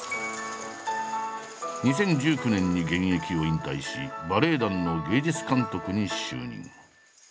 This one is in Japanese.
２０１９年に現役を引退しバレエ団の芸術監督に就任。